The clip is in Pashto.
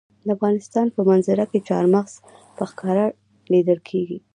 د افغانستان په منظره کې چار مغز په ښکاره لیدل کېږي.